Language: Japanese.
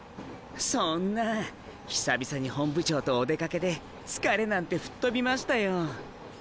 そんな久々に本部長とお出かけで疲れなんて吹っ飛びましたよ。